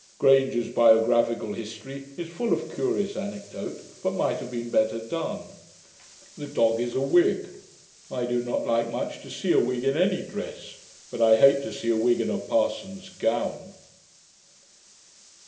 Granger's Biographical History is full of curious anecdote, but might have been better done. The dog is a Whig. I do not like much to see a Whig in any dress; but I hate to see a Whig in a parson's gown.'